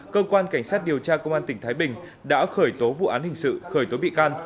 cơ quan cảnh sát điều tra công an tỉnh thái bình đã khởi tố vụ án hình sự khởi tố bị can